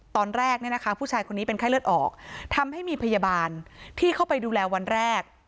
ตอนแรกเนี่ยนะคะผู้ชายคนนี้เป็นไข้เลือดออกทำให้มีพยาบาลที่เข้าไปดูแลวันแรก